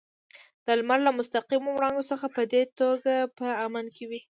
د لمر له مستقیمو وړانګو څخه په دې توګه په امن کې وي.